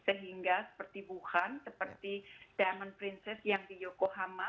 sehingga seperti wuhan seperti diamond princess yang di yokohama